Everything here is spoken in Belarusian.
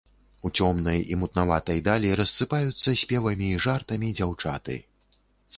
У цёмнай і мутнаватай далі рассыпаюцца спевамі і жартамі дзяўчаты.